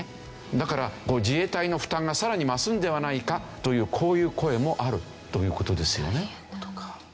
だから自衛隊の負担がさらに増すのではないかというこういう声もあるという事ですよね。